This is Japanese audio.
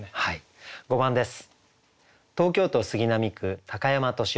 ５番です。